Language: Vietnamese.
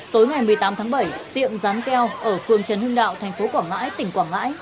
tối ngày một mươi tám tháng bảy tiệm rán keo ở phường trần hưng đạo thành phố quảng ngãi tỉnh quảng ngãi